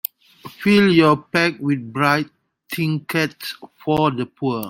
Fill your pack with bright trinkets for the poor.